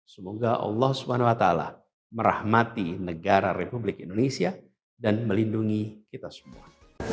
semoga allah swt merahmati negara republik indonesia dan melindungi kita semua